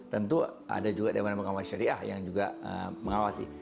tentu ada juga dewan pengawas syariah yang juga mengawasi